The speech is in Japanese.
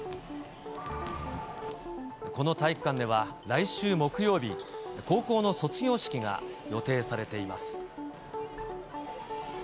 この体育館では来週木曜日、高校の卒業式が予定されています。